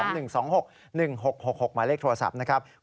๐๒๑๒๖๑๖๖๖หมายเลขโทรศัพท์นะครับ